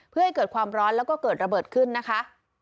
เพื่อให้เกิดความร้อนแล้วก็เกิดระเบิดขึ้นนะคะ